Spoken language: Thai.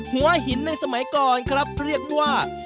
หัวหินในสมัยก่อนครับเรียกว่า